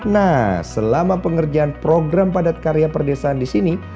nah selama pengerjaan program ini